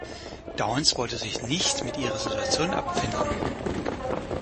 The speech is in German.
Downs wollte sich nicht mit ihrer Situation abfinden.